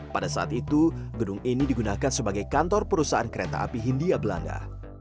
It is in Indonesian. pada saat itu gedung ini digunakan sebagai kantor perusahaan kereta api hindia belanda